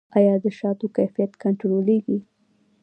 آیا د شاتو کیفیت کنټرولیږي؟